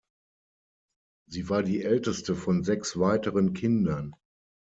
Sie war die älteste von sechs weiteren Kindern.